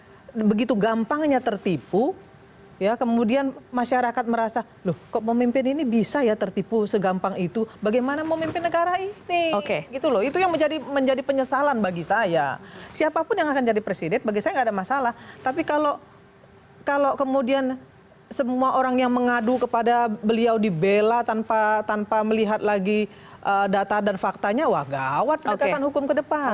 nah kalau seorang pemimpin begitu gampangnya tertipu ya kemudian masyarakat merasa loh kok pemimpin ini bisa ya tertipu segampang itu bagaimana memimpin negara ini gitu loh itu yang menjadi menjadi penyesalan bagi saya siapapun yang akan jadi presiden bagi saya nggak ada masalah tapi kalau kalau kemudian semua orang yang mengadu kepada beliau dibela tanpa tanpa melihat lagi data dan faktanya wah gawat pendekatan hukum ke depan